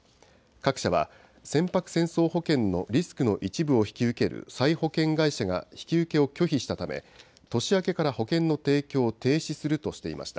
各社は、船舶戦争保険のリスクの一部を引き受ける再保険会社が引き受けを拒否したため、年明けから保険の提供を停止するとしていました。